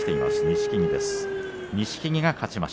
錦木の勝ち。